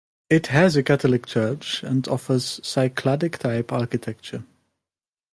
It has a Catholic church, and offers Cycladic type architecture.